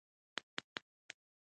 په سختۍ سره مې وويل اوبه.